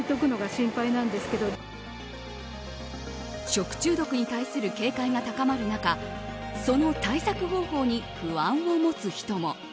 食中毒に対する警戒が高まる中その対策方法に不安を持つ人も。